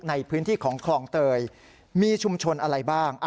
ในพื้นที่ของคลองเตยมีชุมชนอะไรบ้าง